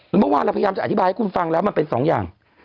เมื่อวานเราพยายามจะอธิบายให้คุณฟังแล้วมันเป็นสองอย่าง